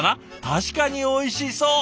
確かにおいしそう！